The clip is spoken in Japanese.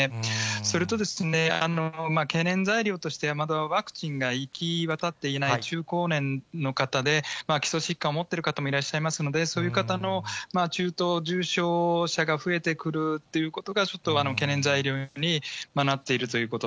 それとですね、懸念材料として、まだワクチンが行き渡っていない中高年の方で、基礎疾患を持っている方もいらっしゃいますので、そういう方の中等、重症者が増えてくるということが、ちょっと懸念材料になっているということ。